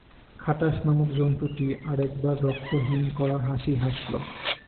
খাটাশ নামক জন্তুটি আরেক বার রক্ত হিম-করা হাসি হাসল।